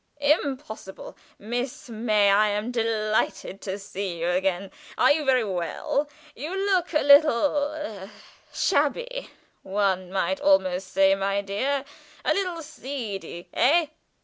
Impossible! Miss May, I am delighted to see you again! Are you very well? You look a little a shabby, one might almost say, my dear a little seedy, hey?"